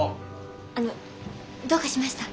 あのどうかしました？